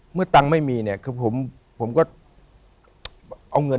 เมื่อตังค์ไม่มีเนี่ยคือผมก็